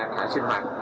và rác thải sinh hoạt